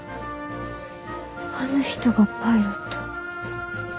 あの人がパイロット。